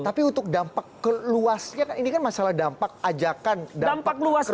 tapi untuk dampak luasnya ini kan masalah dampak ajakan dampak kerusakan